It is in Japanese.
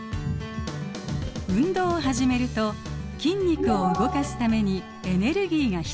運動を始めると筋肉を動かすためにエネルギーが必要です。